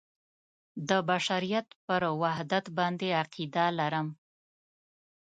د بشریت پر وحدت باندې عقیده لرم.